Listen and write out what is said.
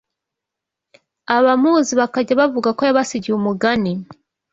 abamuzi bakajya bavuga ko yabasigiye umugani